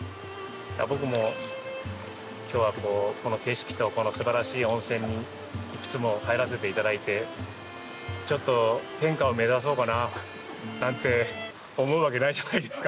僕も今日はこの景色とこのすばらしい温泉にいくつも入らせて頂いてちょっと天下を目指そうかななんて思うわけないじゃないですか。